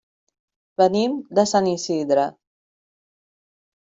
Venim de Sant Isidre.